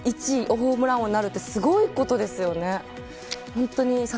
ホームラン王になるってすごいことですよね。